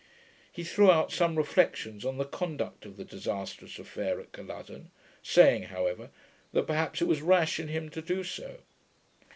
He threw out some reflections on the conduct of the disastrous affair at Culloden, saying, however, that perhaps it was rash in him to do so.